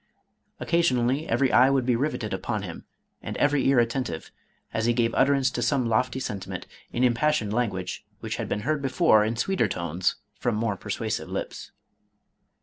Occasionally, every eye would be riveted upon him, and every ear attentive, as he gave utterance to some lofty sentiment, in impassioned language, which had been heard before, in sweeter tones, from more persuasive lips."